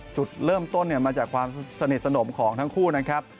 จุดเริ่มต้นมาจากความสนิทสนมของทั้งคู่นะครับ